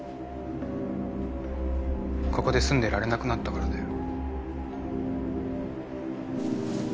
ここで住んでいられなくなったからだよ。